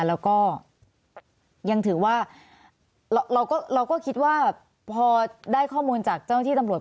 แล้วก็ยังถือว่าเราก็คิดว่าพอได้ข้อมูลจากเจ้าหน้าที่ตำรวจ